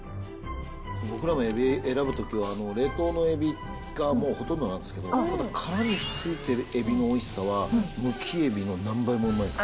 僕らもエビ選ぶときは、冷凍のエビがもうほとんどなんですけど、殻に付いてるエビのおいしさは、むきエビの何倍もうまいです。